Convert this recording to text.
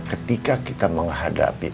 ketika kita menghadapi